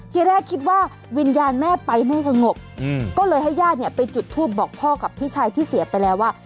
ทีแรกคิดว่าวิญญาณแม่ไปไม่สงบก็เลยให้ญาติเนี่ยไปจุดทูปบอกพ่อกับพี่ชายที่เสียไปแล้วว่า